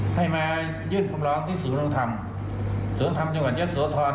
ให้แม่ยึดคำร้องที่สูตรธรรมสูตรธรรมจังหวัดยศโทรณ